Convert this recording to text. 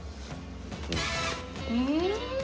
うん！